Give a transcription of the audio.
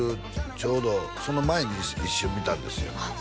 ちょうどその前に一瞬見たんですよあっ